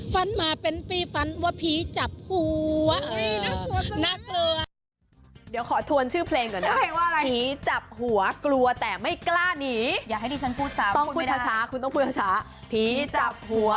ฟันมาเป็นปีฟันว่าผีจับหัว